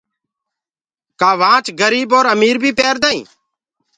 ڪآ گھڙي گريب اور امير بي پيردآئين